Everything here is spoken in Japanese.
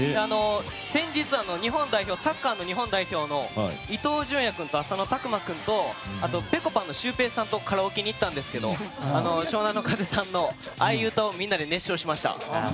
先日サッカーの日本代表の伊東君と浅野君とあとぺこぱのシュウペイさんとカラオケに行ったんですが湘南乃風さんの歌をみんなで熱唱しました。